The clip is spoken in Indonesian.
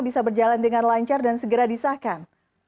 bisa berjalan dengan lancar dan segera disahkan